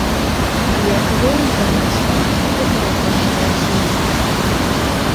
Лекавыя, меданосныя і дэкаратыўныя расліны.